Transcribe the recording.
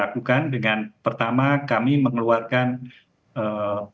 jadi pasca serangan terbatas ini tentunya situasi itu masih tetap block